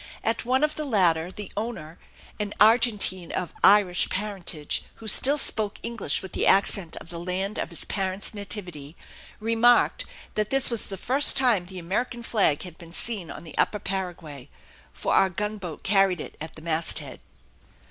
At one of the latter the owner, an Argentine of Irish parentage, who still spoke English with the accent of the land of his parents' nativity, remarked that this was the first time the American flag had been seen on the upper Paraguay; for our gunboat carried it at the masthead.